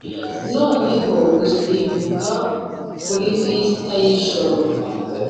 noneho gusimbuka kuri vista yijoro,